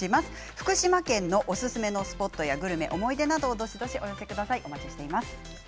福島県のおすすめのスポットやグルメ、思い出などをどしどしお寄せください。